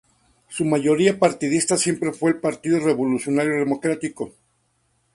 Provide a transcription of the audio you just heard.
Su mayoría partidista siempre fue el Partido Revolucionario Democrático.